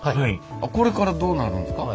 これからどうなるんですか？